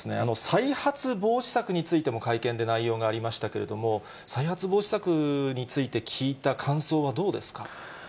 再発防止策についても会見で内容がありましたけれども、再発防止策について聞いた感想はどうですか。